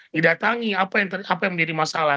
didatangi apa yang menjadi masalah